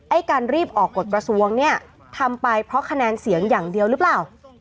การรีบออกกฎกระทรวงเนี่ยทำไปเพราะคะแนนเสียงอย่างเดียวหรือเปล่า